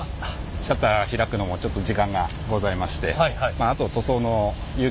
シャッター開くのもちょっと時間がございまして。